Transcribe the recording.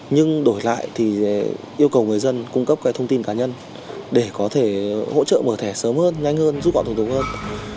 nhưng đổi lại thì yêu cầu người dân cung cấp cái thông tin cá nhân để có thể hỗ trợ mở thẻ sớm hơn nhanh hơn giúp họ thủ tục hơn